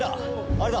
あれだ！